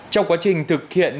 trong quá trình thực hiện